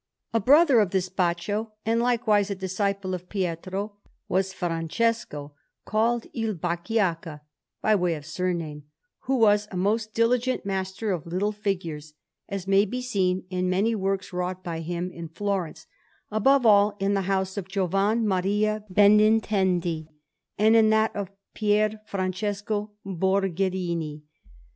Assisi: Lower Church_) Anderson] A brother of this Baccio, and likewise a disciple of Pietro, was Francesco, called Il Bacchiaccha by way of surname, who was a most diligent master of little figures, as may be seen in many works wrought by him in Florence, above all in the house of Giovan Maria Benintendi and in that of Pier Francesco Borgherini.